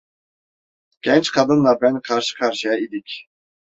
Genç kadınla ben karşı karşıya idik.